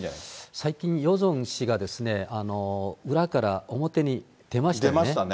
最近、ヨジョン氏が裏から表に出ましたよね。